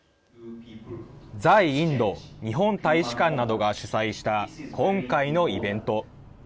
在インド日本大使館などが主催した今回のイベント。